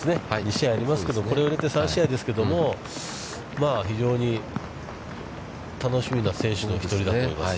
２試合ありますけれども、これを入れて３試合ですけども、非常に楽しみな選手の１人だと思います。